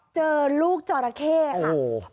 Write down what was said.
เจอลูกจอราเข้ค่ะ